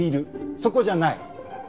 そこじゃない。